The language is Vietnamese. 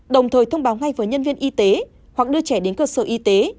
đồng thời thông báo ngay với nhân viên y tế hoặc đưa trẻ đến cơ sở y tế